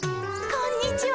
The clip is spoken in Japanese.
こんにちは。